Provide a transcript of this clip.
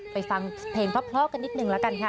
ฟังเพลงเพราะกันนิดนึงแล้วกันค่ะ